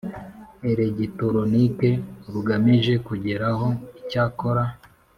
elegitoronike rugamije kugeraho Icyakora